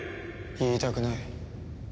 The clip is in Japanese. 言いたくない。